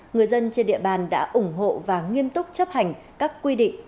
người dân trên địa bàn đã ủng hộ và nghiêm túc chấp hành các quy định